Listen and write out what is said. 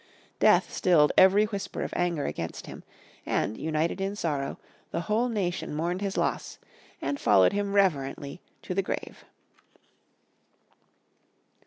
Death stilled every whisper of anger against him, and, united in sorrow, the whole nation mourned his loss and followed him reverently to the grave.